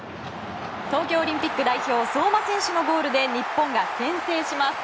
東京オリンピック代表相馬選手のゴールで日本が先制します。